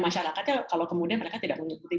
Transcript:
masyarakatnya kalau kemudian mereka tidak mengikuti